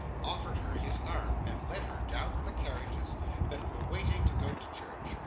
offered her his arm, and led her down to the carriages that were waiting to go to church.